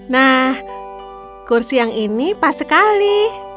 nah kursi yang ini pas sekali